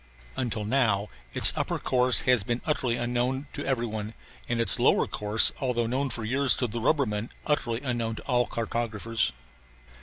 Until now its upper course has been utterly unknown to every one, and its lower course although known for years to the rubbermen utterly unknown to all cartographers.